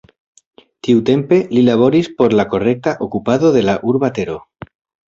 Tiutempe, li laboris por la korekta okupado de la urba tero.